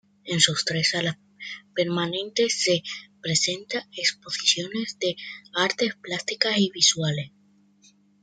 En sus tres salas permanentes se presentan exposiciones de artes plásticas y visuales.